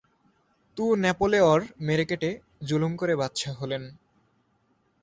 তু-ন্যাপোলেঅঁর মেরে কেটে জুলুম করে বাদশা হলেন।